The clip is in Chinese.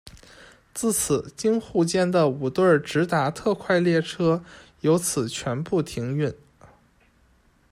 自此，京沪间的五对直达特快列车由此全部停运。